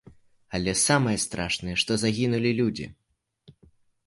Але самае страшнае, што загінулі людзі.